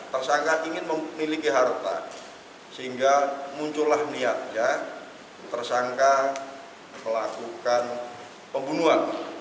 tersangka ingin memiliki harta sehingga muncullah niatnya tersangka melakukan pembunuhan